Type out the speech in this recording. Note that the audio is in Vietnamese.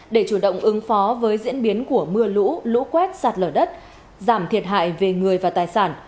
để chủ động ứng phó với diễn biến của mưa lũ lũ quét sạt lở đất giảm thiệt hại về người và tài sản